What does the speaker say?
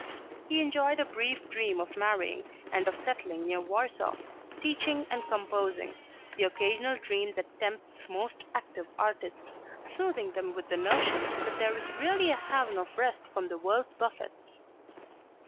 He enjoyed a brief dream of marrying and of settling near Warsaw, teaching and composing the occasional dream that tempts most active artists, soothing them with the notion that there is really a haven of rest from the world's buffets.